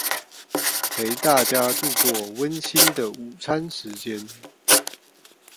陪大家度過溫馨的午餐時間